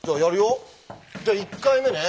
じゃあ１回目ね。